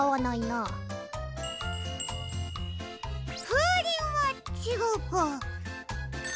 ふうりんはちがうか。